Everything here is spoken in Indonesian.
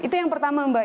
itu yang pertama mbak